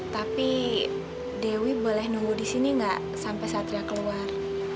tapi dewi boleh nunggu disini gak sampai satria keluar